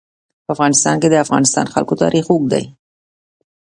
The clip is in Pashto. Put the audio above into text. په افغانستان کې د د افغانستان جلکو تاریخ اوږد دی.